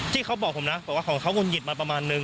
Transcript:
ที่เขาบอกผมนะบอกว่าของเขางุดหงิดมาประมาณนึง